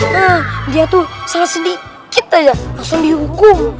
nah dia tuh salah sedikit aja langsung dihukum